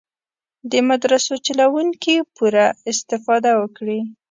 د مدرسو چلوونکي پوره استفاده وکړي.